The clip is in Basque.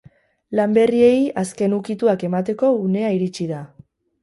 Lan berriei azken ukituak emateko uena iritsi da.